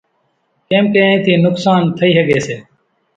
ڪيمڪي اِين ٿي نقصان ٿئي ۿڳي سي۔